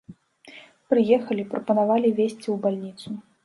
Прыехалі, прапанавалі везці ў бальніцу.